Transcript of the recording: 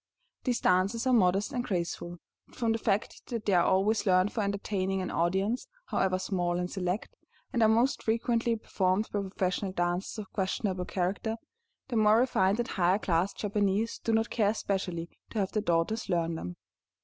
These dances are modest and graceful, but from the fact that they are always learned for entertaining an audience, however small and select, and are most frequently performed by professional dancers of questionable character, the more refined and higher class Japanese do not care especially to have their daughters learn them.